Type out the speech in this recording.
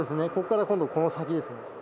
ここから今度この先ですね。